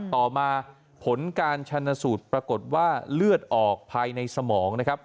ต่อมาผลการชันสูตรปรากฏว่าเลือดออกภายในสมองนะครับ